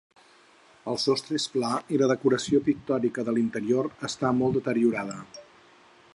El sostre és pla i la decoració pictòrica de l'interior està molt deteriorada.